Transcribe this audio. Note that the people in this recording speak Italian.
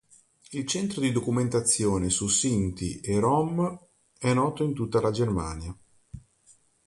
Il Centro di documentazione su Sinti e Rom è noto in tutta la Germania.